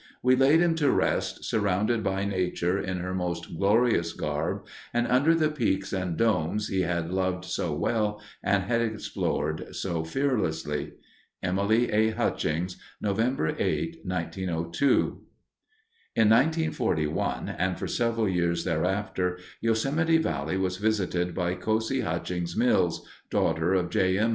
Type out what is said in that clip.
We laid him to rest, surrounded by nature in Her most glorious garb, and under the peaks and domes he had loved so well and had explored so fearlessly. Emily A. Hutchings Nov. 8, 1902 In 1941 and for several years thereafter, Yosemite Valley was visited by Cosie Hutchings Mills, daughter of J. M.